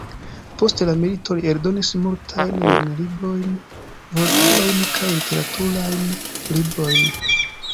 Post la milito li eldonis multajn lernolibrojn, vortarojn kaj literaturajn librojn.